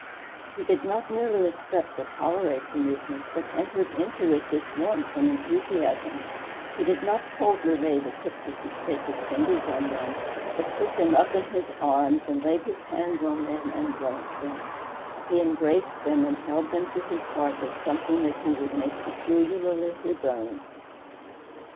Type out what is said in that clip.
He did not merely accept or tolerate the movement, but entered into it with warmth and enthusiasm; he did not coldly lay the tips of his sacred fingers on them, but took them up in his arms and laid his hands on them and blessed them; he embraced them and held them to his heart as something that he would make peculiarly his own.